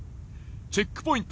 チェックポイント